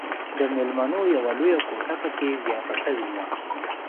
د ميلمنو يوه لويه کوټه پکښې زياته سوې وه.